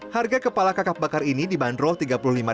harga kepala kakap bakar ini dibanderol